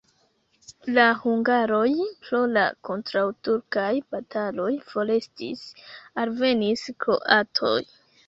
La hungaroj pro la kontraŭturkaj bataloj forestis, alvenis kroatoj.